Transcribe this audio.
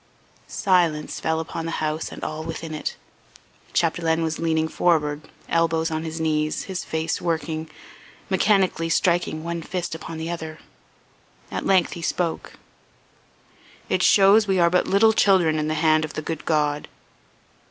Silence fell upon the house and all within it. Chapdelaine was leaning forward, elbows on his knees, his face working, mechanically striking one fist upon the other. At length he spoke: "It shows we are but little children in the hand of the good God.